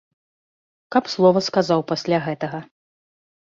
Каб слова сказаў пасля гэтага.